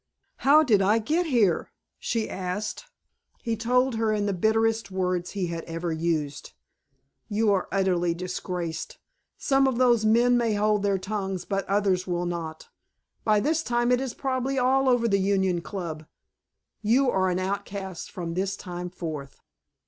"How did I get here?" she asked. He told her in the bitterest words he had ever used. "You are utterly disgraced. Some of those men may hold their tongues but others will not. By this time it is probably all over the Union Club. You are an outcast from this time forth."